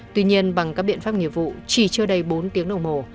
tuy nhiên bằng các biện pháp nghiệp vụ chỉ chưa đầy bốn tiếng đầu mồ